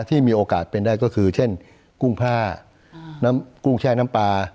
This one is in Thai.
ที่มีโอกาสเป็นได้ก็คือเช่นกุ้งผ้าน้ำกุ้งแช่น้ำปลา